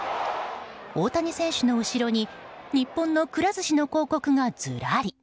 大谷選手の後ろに日本の、くら寿司の広告がずらり。